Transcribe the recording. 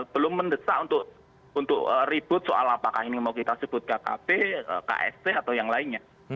belum mendesak untuk ribut soal apakah ini mau kita sebut kkp ksp atau yang lainnya